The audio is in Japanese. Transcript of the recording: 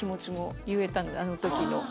あの時の。